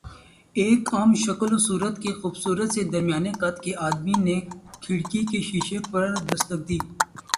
ایک عام شکل و صورت کے خوبصورت سے درمیانہ قد کے آدمی نے کھڑکی کے شیشے پر دستک دی۔